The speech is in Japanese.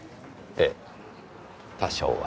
ええ多少は。